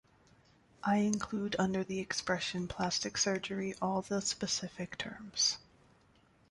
I include under the expression plastic surgery all the specific terms.